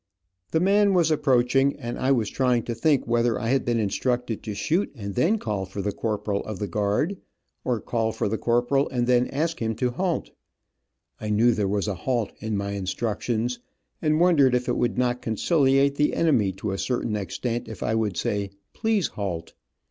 The man was approaching, and I was trying to think whether I had been instructed to shoot and then call for the corporal of the guard, or call for the corporal and then ask him to halt. I knew there was a halt in my instructions, and wondered if it would not conciliate the enemy to a certain extent if I would say "Please Halt."